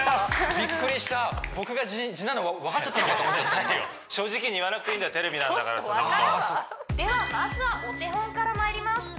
びっくりした僕が痔なの分かっちゃったのかと思った正直に言わなくていいんだよテレビなんだからそんなことではまずはお手本からまいります